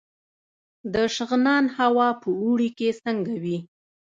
د شغنان هوا په اوړي کې څنګه وي؟